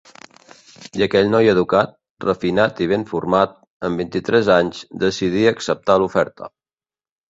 I aquell noi educat, refinat i ben format, amb vint-i-tres anys, decidí acceptar l’oferta.